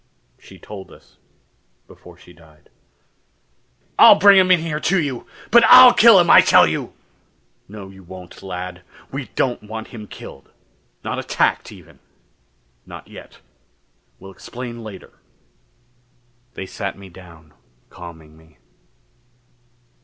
She told us before she died." "I'll bring him in here to you! But I'll kill him, I tell you!" "No you won't, lad. We don't want him killed, not attacked, even. Not yet. We'll explain later." They sat me down, calming me....